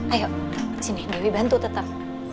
ayo sini dewi bantu tetap